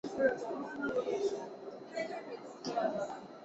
梁玉绳认为他可能是虢石父之子。